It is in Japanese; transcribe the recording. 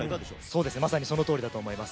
そうですね、まさにそのとおりだと思います。